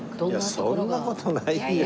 そんな事ないよ。